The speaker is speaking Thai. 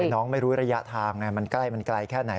ใช่น้องไม่รู้ระยะทางมันใกล้แค่ไหน